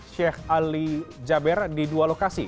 sheikh ali jaber di dua lokasi